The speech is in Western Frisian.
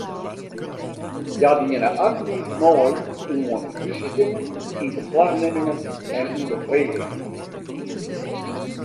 Hja diene aktyf mei oan hússikingen, ynbeslachnimmingen en ûnderfregingen.